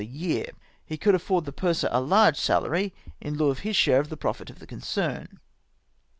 a year. He could afford the purser a large salary, in lieu of his share of the profit of the concern.